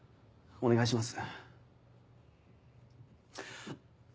お願いします！